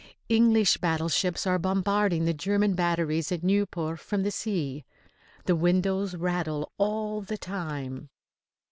English battleships are bombarding the German batteries at Nieuport from the sea. The windows rattle all the time.